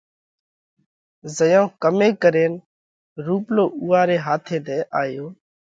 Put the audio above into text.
زئيون ڪمي ڪرينَ رُوپلو اُوئا ري هاٿِي نہ آيو